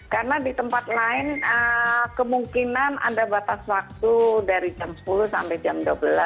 karena di tempat lain kemungkinan ada batas waktu dari jam sepuluh sampai jam dua belas